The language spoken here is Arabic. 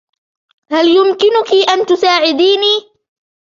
هل يمكنك ان تساعديني؟